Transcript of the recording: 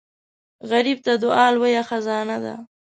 غریب ته دعا لوی خزانه ده